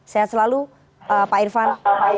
sehat selalu pak irvan